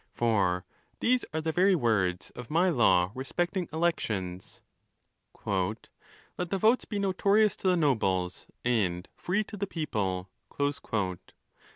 For these are the very words of my law respecting elections: "' Let the votes be notorious to the nobles, and free to the people."